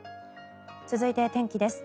続いて天気です。